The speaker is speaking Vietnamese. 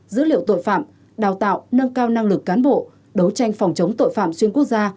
dữ liệu tội phạm đào tạo nâng cao năng lực cán bộ đấu tranh phòng chống tội phạm xuyên quốc gia